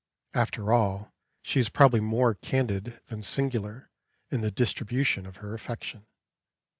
After all, she is probably more candid than singular in the distribution of her affection.